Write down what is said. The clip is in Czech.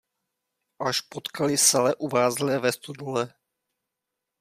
Až potkaly sele uvázlé ve stodole.